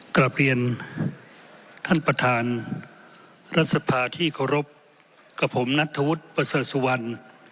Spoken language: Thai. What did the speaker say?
กลับเรียนท่านประธานรัฐสภาที่เคารพกับผมนัทธวุฒิประเสริฐสุวรรณ